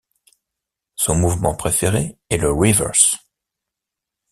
Son mouvement préféré est le reverse.